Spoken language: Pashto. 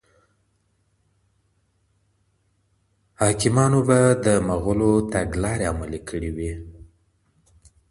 حاکمان به د مغولو تګلاري عملي کړي وي.